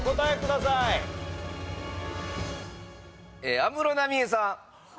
安室奈美恵さん